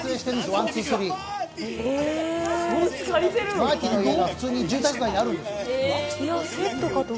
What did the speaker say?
マーティの家が普通に住宅街にあるんです。